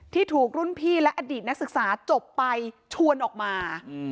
ที่ถูกรุ่นพี่และอดีตนักศึกษาจบไปชวนออกมา